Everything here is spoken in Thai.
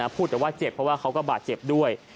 พูดแต่ว่าเจ็บเพราะว่าเขาก็บาดเจ็บด้วย